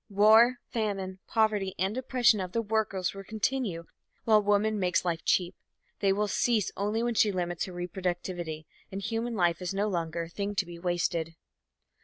War, famine, poverty and oppression of the workers will continue while woman makes life cheap. They will cease only when she limits her reproductivity and human life is no longer a thing to be wasted.